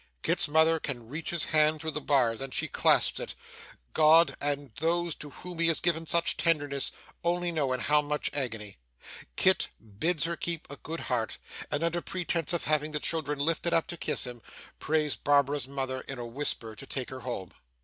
Kit's mother can reach his hand through the bars, and she clasps it God, and those to whom he has given such tenderness, only know in how much agony. Kit bids her keep a good heart, and, under pretence of having the children lifted up to kiss him, prays Barbara's mother in a whisper to take her home.